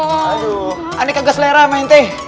aduh aneh kagak selera main teh